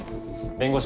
弁護士？